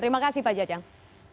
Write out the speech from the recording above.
terima kasih pak jajang